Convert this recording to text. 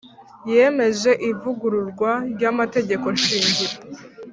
Yemeje ivugururwa ry Amategekoshingiro